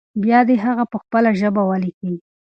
بيا دې هغه په خپله ژبه ولیکي.